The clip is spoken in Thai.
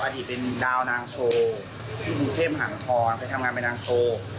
อดีตเป็นดาวนางโชว์ผู้เข้มหางครเคยทำงานว่านางโชว์